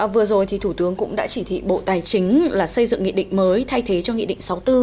vừa rồi thì thủ tướng cũng đã chỉ thị bộ tài chính là xây dựng nghị định mới thay thế cho nghị định sáu mươi bốn